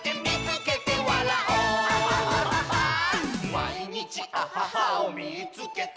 「まいにちアハハをみいつけた！」